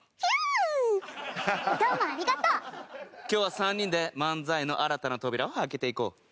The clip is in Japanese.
今日は３人で漫才の新たな扉を開けていこう。